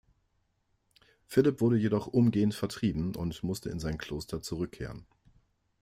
Philipp wurde jedoch umgehend vertrieben und musste in sein Kloster zurückkehren.